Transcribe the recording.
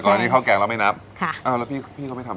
แต่ก่อนอันนี้เขาแกงแล้วไม่นับค่ะอ้าวแล้วพี่พี่เขาไม่ทำ